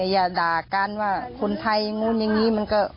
อย่าด่ากันว่าคนไทยงู้นอย่างนี้